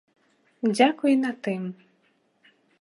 Дзякуй і на тым.